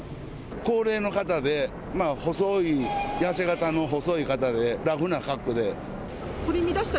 高齢の方で、細い、痩せがたの細い方で、ラフな格好で。